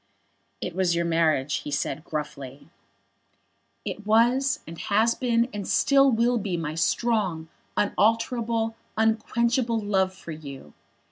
"It was your marriage," he said, gruffly. "It was, and has been, and still will be my strong, unalterable, unquenchable love for you.